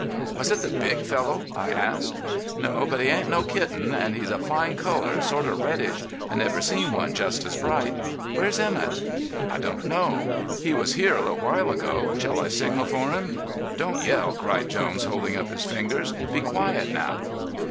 "Was it the big fellow?" I asked "No, but he ain't no kitten; an' he's a fine color, sort of reddish. I never seen one just as bright. Where's Emett?" "I don't know. He was here a little while ago. Shall I signal for him?" "Don't yell," cried Jones holding up his fingers. "Be quiet now."